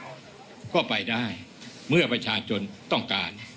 ก็ไปได้เมื่อประชาชนต้องการ